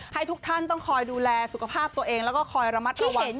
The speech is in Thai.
ให้ทุกท่านต้องคอยดูแลสุขภาพตัวเองแล้วก็คอยระมัดระวังตัวเองด้วย